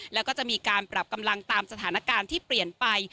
แล้วก็จะมีการปรับกำลังตามสถานการณ์ที่เปลี่ยนไป